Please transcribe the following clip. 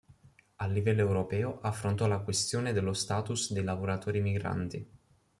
A livello europeo affrontò la questione dello status dei lavoratori migranti.